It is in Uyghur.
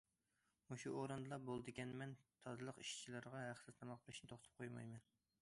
مۇشۇ ئورۇندىلا بولىدىكەنمەن تازىلىق ئىشچىلىرىغا ھەقسىز تاماق بېرىشنى توختىتىپ قويمايمەن.